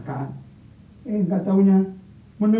kamu jangan sudah